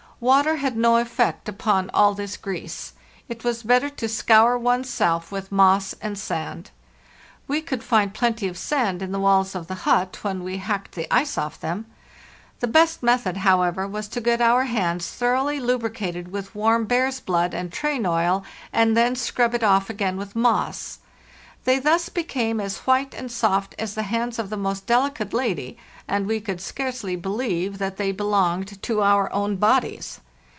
Water had no effect upon all this grease; it was better to scour one's self with moss and sand. We could find plenty of sand in the walls of the hut, when we hacked the ice off them. The best method, how ever, was to get our hands thoroughly lubricated with warm bear's blood and train oil, and then scrub it off again with moss. They thus became as white and soft as the hands of the most delicate lady, and we could scarcely believe that they belonged to our own bodies.